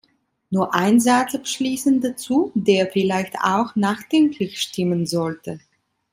Nur ein Satz abschließend dazu, der vielleicht auch nachdenklich stimmen sollte.